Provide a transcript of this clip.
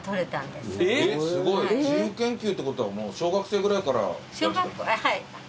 すごい自由研究ってことはもう小学生ぐらいからやってた？